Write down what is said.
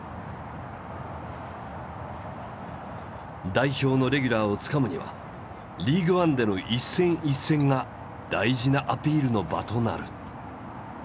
代表のレギュラーをつかむにはリーグワンでの一戦一戦が大事なアピールの場となる。